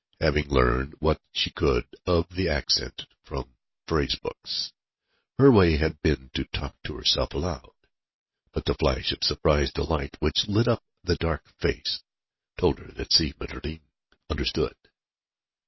Having learned what she could of the accent from phrase books, her way had been to talk to herself aloud. But the flash of surprised delight which lit up the dark face told her that Si Maïeddine understood.